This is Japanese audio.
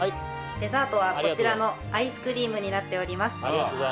デザートはこちらのアイスクリームになっております